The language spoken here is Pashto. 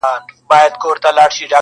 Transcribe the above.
په غاښونو یې ورمات کړله هډوکي٫